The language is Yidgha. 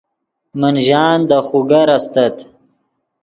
من ژان دے خوگر استت